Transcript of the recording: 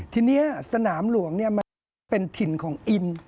ทีนี้สนามหลวงมันเป็นถิ่นของอิน